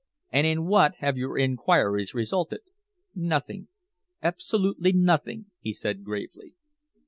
"And in what have your inquiries resulted?" "Nothing absolutely nothing," he said gravely.